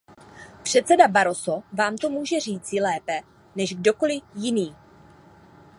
Předseda Barroso vám to může říci lépe, než kdokoli jiný.